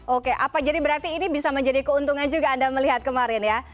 oke apa jadi berarti ini bisa menjadi keuntungan juga anda melihat kemarin ya